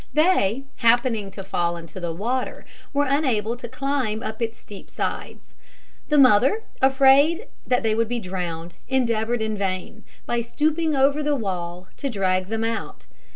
They, happening to fall into the water, were unable to climb up its steep sides. The mother, afraid that they would be drowned, endeavoured in vain, by stooping over the wall, to drag them out.